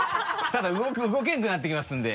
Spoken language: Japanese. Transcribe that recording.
ただ動けなくなってきますんで。